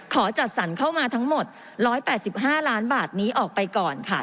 ขอจัดสรรเข้ามาทั้งหมด๑๘๕ล้านบาทนี้ออกไปก่อนค่ะ